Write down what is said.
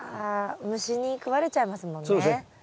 ああ虫に食われちゃいますもんね。